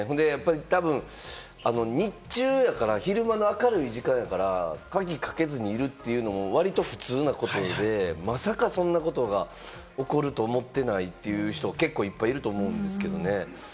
たぶん日中やから、昼間の明るい時間やから、鍵かけずにいるというのも割と普通なことで、まさかそんなことが起こると思ってないという人、結構いっぱいいると思うんですけれどもね。